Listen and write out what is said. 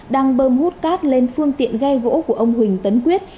đang bơm hút cát lên phương tiện ghe gỗ của ông huỳnh tấn quyết